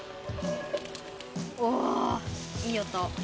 うわいい音。